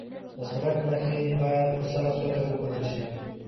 د سړک نښې باید په سمه توګه وښودل شي.